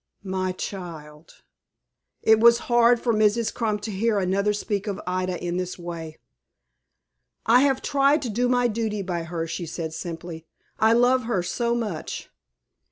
My child! It was hard for Mrs. Crump to hear another speak of Ida in this way. "I have tried to do my duty by her," she said, simply; "I love her so much."